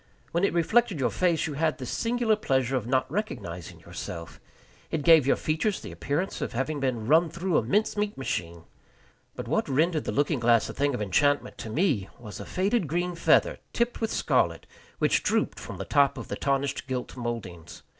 When it reflected your face you had the singular pleasure of not recognizing yourself. It gave your features the appearance of having been run through a mince meat machine. But what rendered the looking glass a thing of enchantment to me was a faded green feather, tipped with scarlet, which drooped from the top of the tarnished gilt mouldings.